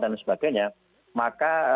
dan sebagainya maka